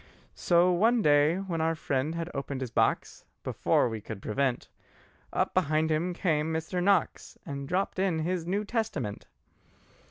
So one day when our friend had opened his box, Before we could prevent, Up behind him came Mr. Knox And dropped in his New Testament.